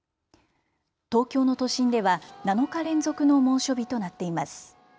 東京の都心では７日連続の猛暑日となっています。